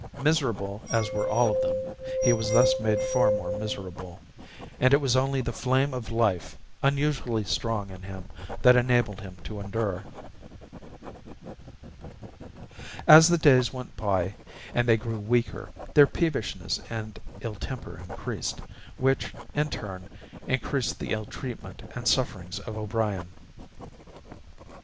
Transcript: Miserable as were all of them, he was thus made far more miserable; and it was only the flame of life, unusually strong in him, that enabled him to endure. As the days went by and they grew weaker, their peevishness and ill temper increased, which, in turn, increased the ill treatment and sufferings of O'Brien.